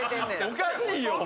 おかしいよお前。